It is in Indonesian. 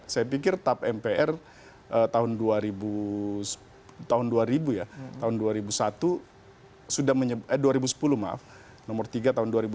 saya pikir tap mpr tahun dua ribu sepuluh